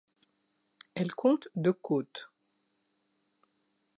Elle compte de côte.